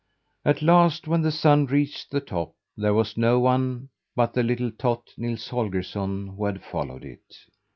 At last, when the Sun reached the top, there was no one but the little tot, Nils Holgersson, who had followed it.